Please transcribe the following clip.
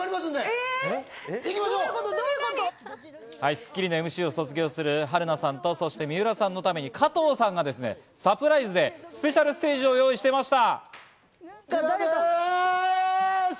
『スッキリ』のＭＣを卒業する春菜さんと水卜さんのために加藤さんがサプライスでスペシャルステージを用意していました。